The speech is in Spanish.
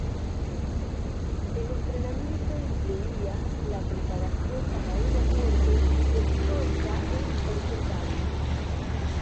El entrenamiento incluía la preparación para una muerte estoica e imperturbable.